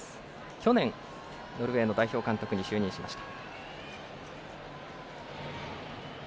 去年、ノルウェーの代表監督に就任しました。